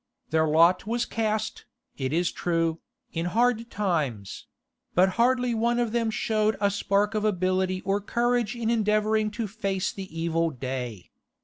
Their lot was cast, it is true, in hard times; but hardly one of them showed a spark of ability or courage in endeavouring to face the evil day.